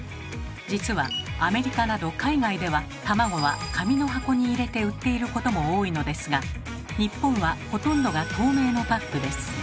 実はアメリカなど海外では卵は紙の箱に入れて売っていることも多いのですが日本はほとんどが透明のパックです。